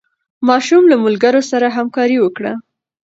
ماشوم له ملګرو سره همکاري وکړه